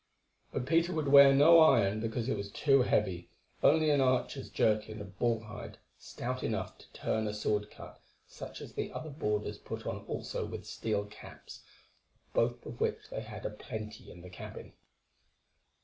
But Peter would wear no iron because it was too heavy, only an archer's jerkin of bull hide, stout enough to turn a sword cut, such as the other boarders put on also with steel caps, of both of which they had a plenty in the cabin.